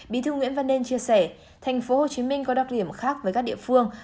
bí thư nguyễn văn nên chia sẻ thành phố hồ chí minh có đặc điểm khác với các địa phương